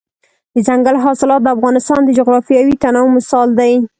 دځنګل حاصلات د افغانستان د جغرافیوي تنوع مثال دی.